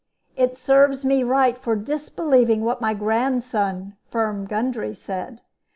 It serves me right for disbelieving what my grandson, Firm Gundry, said.